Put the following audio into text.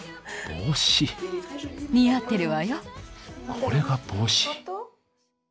これが帽子？